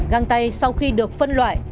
găng tay sau khi được phân loại